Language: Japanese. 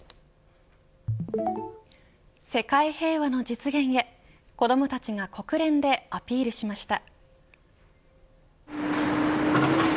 世界平和の実現へ子どもたちが国連でアピールしました。